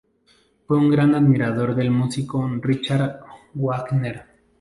Fue un gran admirador del músico Richard Wagner.